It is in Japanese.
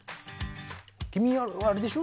君はあれでしょ？